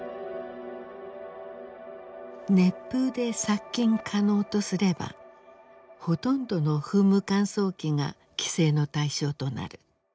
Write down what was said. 熱風で殺菌可能とすればほとんどの噴霧乾燥機が規制の対象となる。